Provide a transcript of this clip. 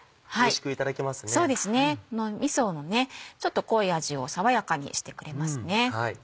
みそのちょっと濃い味を爽やかにしてくれますね。